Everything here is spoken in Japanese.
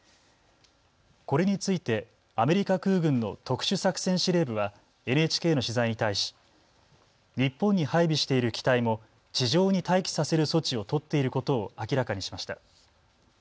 これについてアメリカ空軍の特殊作戦司令部はＮＨＫの取材に対し日本に配備している機体も地上に待機させる措置を取っていることを明らかにしました。